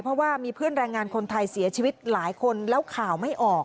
เพราะว่ามีเพื่อนแรงงานคนไทยเสียชีวิตหลายคนแล้วข่าวไม่ออก